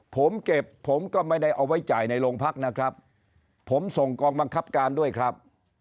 ผมเก็บผมก็ไม่ได้เอาไว้จ่ายในโรงพักนะครับผมส่งกองบังคับการด้วยครับ